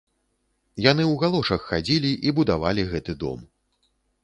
Яны ў галошах хадзілі і будавалі гэты дом.